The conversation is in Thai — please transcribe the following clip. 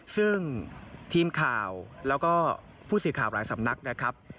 ซึ่งทีมข่าวแล้วก็ผู้สื่อข่าวหลายสำนักนะครับ